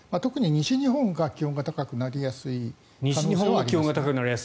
西日本が気温が高くなりやすい。